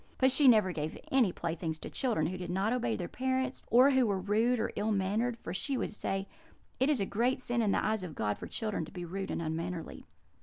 But she never gave any playthings to children who did not obey their parents, or who were rude or ill mannered, for she would say, 'It is a great sin in the eyes of God for children to be rude and unmannerly.'